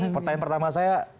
pertanyaan pertama saya